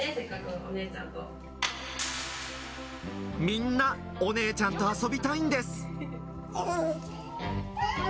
みんなお姉ちゃんと遊びたいんです。